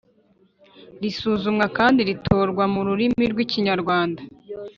risuzumwa kandi ritorwa mu rurimi rw ikinyarwanda